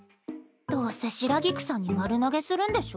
どうせ白菊さんに丸投げするんでしょ？